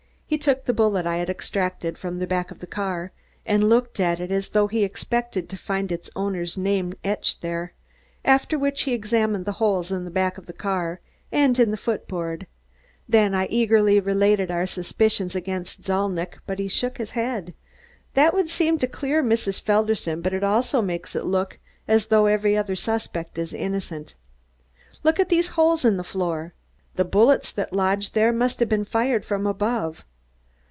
He took the bullet I had extracted from the back of the car and looked at it as though he expected to find its owner's name etched on it, after which he examined the holes in the back of the car and in the foot board. Then I eagerly related our suspicions against Zalnitch, but he shook his head. "This would seem to clear Mrs. Felderson but it also makes it look as though every other suspect is innocent. Look at these holes in the floor! The bullets that lodged there must have been fired from above.